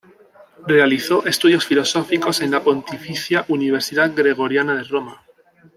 Realizó estudios filosóficos en la Pontificia Universidad Gregoriana de Roma.